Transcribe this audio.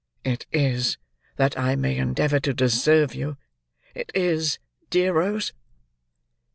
"It is, that I may endeavour to deserve you; it is, dear Rose?"